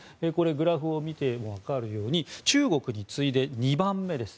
グラフを見ても分かるように中国に次いで２番目です。